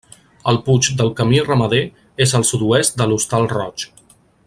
El Puig del Camí Ramader és al sud-oest de l'Hostal Roig.